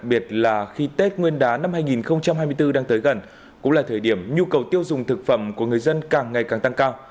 đặc biệt là khi tết nguyên đán năm hai nghìn hai mươi bốn đang tới gần cũng là thời điểm nhu cầu tiêu dùng thực phẩm của người dân càng ngày càng tăng cao